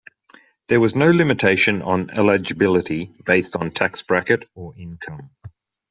There was no limitation on eligibility based on tax bracket or income.